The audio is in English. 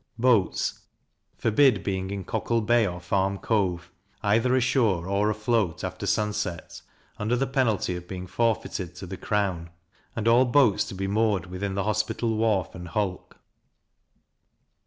Boats forbid being in Cockle Bay or Farm Cove, either ashore or afloat, after sunset, under the penalty of being forfeited to the crown; and all boats to be moored within the Hospital wharf, and hulk.